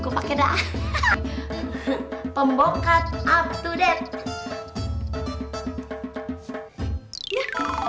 pemboka up to date